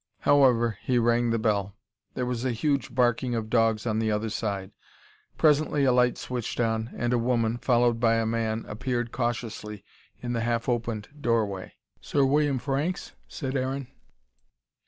However, he rang the bell. There was a huge barking of dogs on the other side. Presently a light switched on, and a woman, followed by a man, appeared cautiously, in the half opened doorway. "Sir William Franks?" said Aaron.